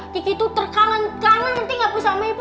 kiki tuh terkangen kangen nanti gak bisa sama ibu